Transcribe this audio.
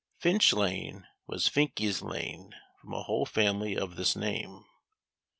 Finch lane was Finke's lane, from a whole family of this name.